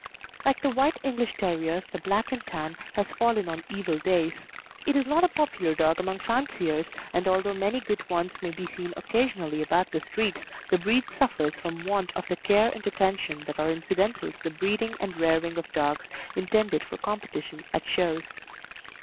Like the White English Terriers the Black and Tan has fallen on evil days. It is not a popular dog among fanciers, and although many good ones may be seen occasionally about the streets the breed suffers from want of the care and attention that are incidental to the breeding and rearing of dogs intended for competition at shows.